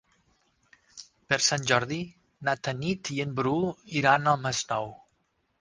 Per Sant Jordi na Tanit i en Bru iran al Masnou.